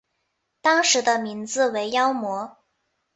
当时的名字为妖魔。